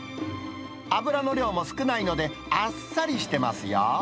油の量も少ないので、あっさりしてますよ。